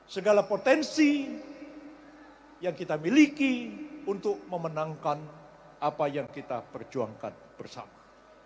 segala potensi yang kita miliki untuk memenangkan apa yang kita perjuangkan bersama